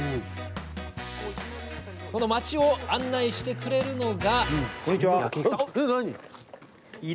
町を案内してくれるのが。